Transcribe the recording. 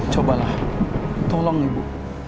cobalah tolong ibu